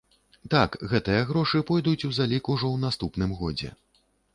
Так, гэтыя грошы пойдуць у залік ўжо ў наступным годзе.